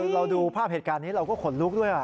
เราดูภาพเหตุการณ์นี้เราก็ขนลุกด้วย